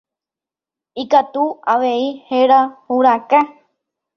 Ikatu avei héra hurakã.